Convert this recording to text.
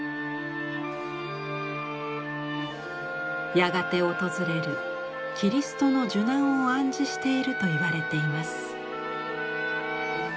やがて訪れるキリストの受難を暗示しているといわれています。